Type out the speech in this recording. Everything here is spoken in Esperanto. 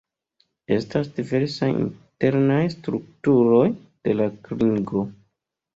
Estas diversaj internaj strukturoj de la klingo.